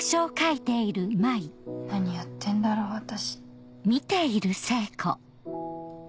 何やってんだろう私。